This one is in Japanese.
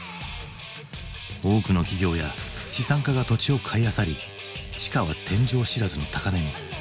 多くの企業や資産家が土地を買いあさり地価は天井知らずの高値に。